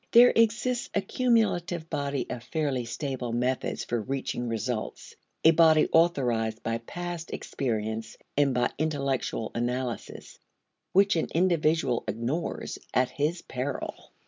There exists a cumulative body of fairly stable methods for reaching results, a body authorized by past experience and by intellectual analysis, which an individual ignores at his peril.